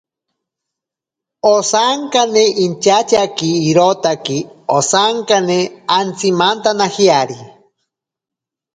Osankane inchatyaaki irotaki osankane antsimantanajeari.